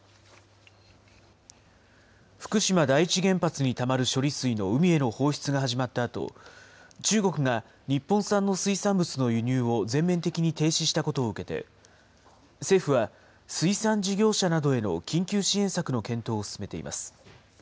福島第一原発にたまる処理水の海への放出が始まったあと、中国が日本産の水産物の輸入を全面的に停止したことを受けて、政府は、水産事業者などへの緊急支援策の検討を進めています。